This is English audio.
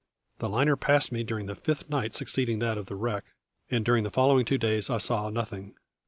The liner passed me during the fifth night succeeding that of the wreck; and during the following two days I saw nothing.